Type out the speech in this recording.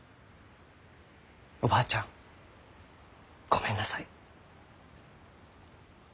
おばあちゃんごめんなさい。